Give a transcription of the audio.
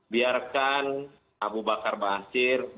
biarkan abu bakar baasir